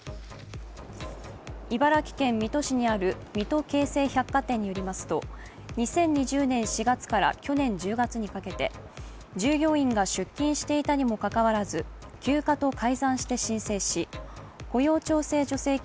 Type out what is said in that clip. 茨城県水戸市にある水戸京成百貨店によりますと２０２０年４月から去年１０月にかけて従業員が出勤していたにもかかわらず休暇と改ざんして申請し雇用調整助成金